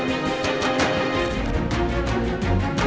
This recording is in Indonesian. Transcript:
kepala komoditi lantai